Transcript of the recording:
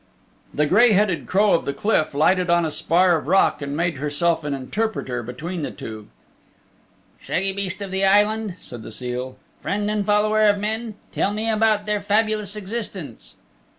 The gray headed crow of the cliff lighted on a spar of rock and made herself an interpreter between the two. "Shaggy beast of the Island," said the seal, "friend and follower of men, tell me about their fabulous existence."